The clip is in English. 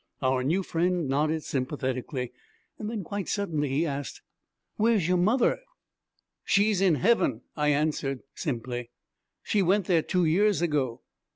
Our new friend nodded sympathetically. Then, quite suddenly, he asked, 'Where's your mother?' 'She's in heaven,' I answered simply. 'She went there two years ago.'